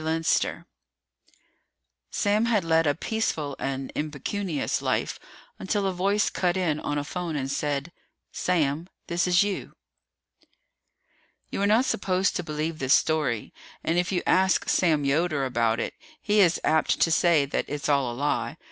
] [Sidenote: Sam had led a peaceful and impecunious life until a voice cut in on a phone and said: Sam, this is You] You are not supposed to believe this story, and if you ask Sam Yoder about it, he is apt to say that it's all a lie.